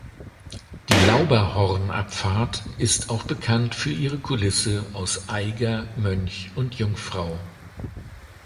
Die Lauberhornabfahrt ist auch bekannt für ihre Kulisse aus Eiger, Mönch und Jungfrau.